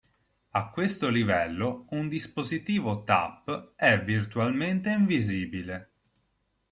A questo livello, un dispositivo "Tap" è virtualmente invisibile.